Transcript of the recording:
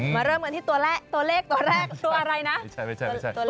เริ่มกันที่ตัวเลขตัวเลขตัวแรกตัวอะไรนะ